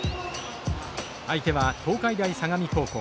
相手は東海大相模高校。